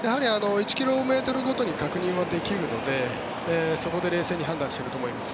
１ｋｍごとに確認はできるのでそこで冷静に判断していると思います。